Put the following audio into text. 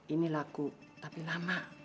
ini laku tapi lama